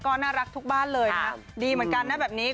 ก็น่ารักทุกบ้านเลยนะดีเหมือนกันนะแบบนี้